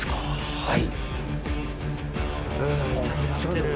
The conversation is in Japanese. はい。